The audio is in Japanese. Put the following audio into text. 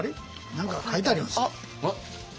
何か書いてありますね。